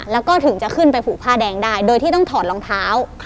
แล้วก็ถึงจะขึ้นไปผูกผ้าแดงได้โดยที่ต้องถอดรองเท้า